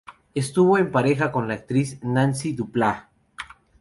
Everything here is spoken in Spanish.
Estuvo en pareja con la actriz Nancy Dupláa.